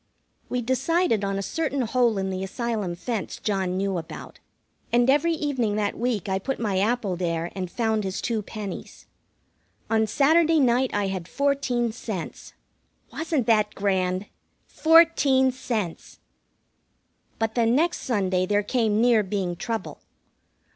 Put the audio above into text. We decided on a certain hole in the Asylum fence John knew about, and every evening that week I put my apple there and found his two pennies. On Saturday night I had fourteen cents. Wasn't that grand? Fourteen cents! But the next Sunday there came near being trouble.